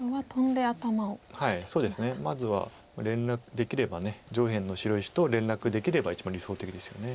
まずは連絡できれば上辺の白石と連絡できれば一番理想的ですよね。